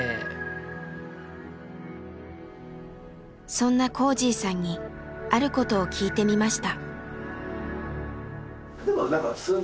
そんなこーじぃさんにあることを聞いてみました。